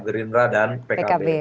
gerindra dan pkb